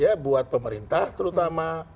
ya buat pemerintah terutama